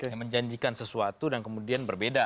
yang menjanjikan sesuatu dan kemudian berbeda